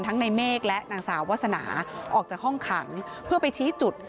ในเมฆและนางสาววาสนาออกจากห้องขังเพื่อไปชี้จุด